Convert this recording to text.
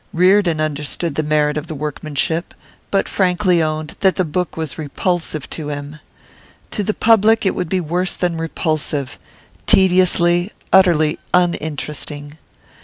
Reardon understood the merit of the workmanship, but frankly owned that the book was repulsive to him. To the public it would be worse than repulsive tedious, utterly uninteresting.